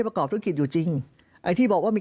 เพราะอาชญากรเขาต้องปล่อยเงิน